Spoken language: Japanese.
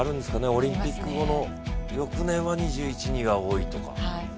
オリンピック後の翌年は２１２２歳が多いとか。